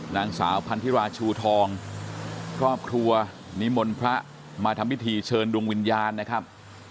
นางสาวพันธิราชูทองครอบครัวนิมนต์พระมาทำพิธีเชิญดวงวิญญาณนะครับ